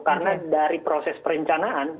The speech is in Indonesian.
karena dari proses perencanaan